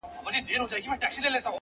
o دا خو ډيره گرانه ده؛